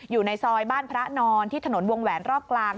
อยู่ในซอยบ้านพระนอนที่ถนนวงแหวนรอบกลาง